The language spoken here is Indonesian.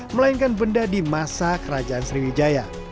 melainkan benda di masa kerajaan sriwijaya